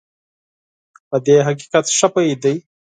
په دې حقیقت ښه پوهېدی.